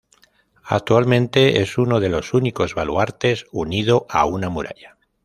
Actualmente es uno de los únicos baluartes unido a una muralla.